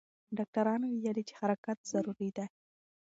ډاکټران ویلي چې حرکت ضروري دی.